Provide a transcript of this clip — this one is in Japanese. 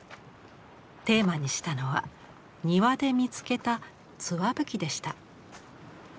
テーマにしたのは庭で見つけたツワブキでした。